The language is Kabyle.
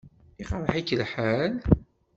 Iqṛeḥ-ik lḥal?